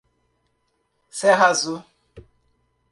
Serra Azul